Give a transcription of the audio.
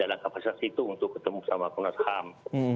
dan mereka tidak ada kapasitas itu untuk ketemu dengan komnas ham